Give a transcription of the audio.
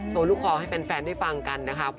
ลูกคอให้แฟนได้ฟังกันนะคะ